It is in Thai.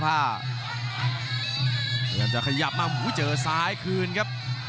พยายามจะขยับมาหูเจอซ้ายคืนครับ